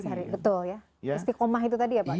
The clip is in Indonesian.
betul ya pasti komah itu tadi ya pak kiai